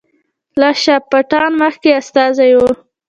لال شاه پټان مخکې استازی وو.